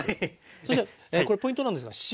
そしたらこれポイントなんですが塩。